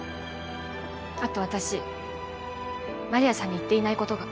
あと私丸谷さんに言っていない事が。